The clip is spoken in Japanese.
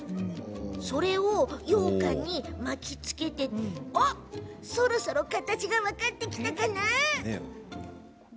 それを、ようかんに巻きつけてそろそろ形が分かってきたかな？